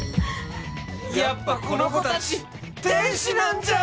やっぱこの子たち天使なんじゃん！